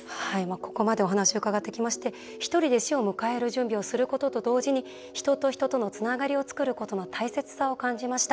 ここまでお話を伺ってきましてひとりで死を迎える準備をすることと同時に人と人とのつながりを作ることの大切さを感じました。